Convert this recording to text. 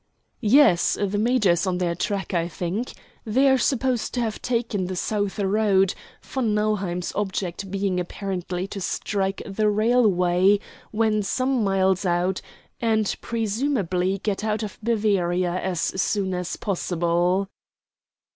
"Yes, the major is on their track, I think. They are supposed to have taken the south road, von Nauheim's object being apparently to strike the railway when some miles out, and presumably get out of Bavaria as soon as possible."